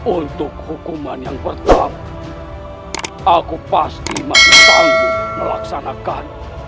untuk hukuman yang pertama aku pasti masih tangguh melaksanakan